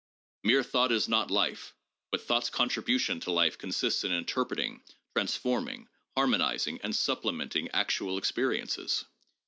Mere thought is not life, but thought's contribution to life consists in interpreting, trans forming, harmonizing and supplementing actual experiences.